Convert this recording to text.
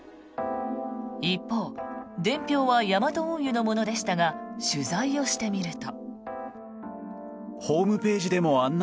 一方、伝票はヤマト運輸のものでしたが取材をしてみると。